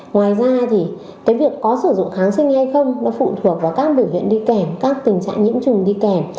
ngoài ra thì cái việc có sử dụng kháng sinh hay không nó phụ thuộc vào các biểu hiện đi kèm các tình trạng nhiễm trùng đi kèm